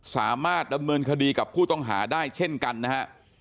สามารถดำเนินคดีกับผู้ต้องหาได้เช่นกันนะฮะ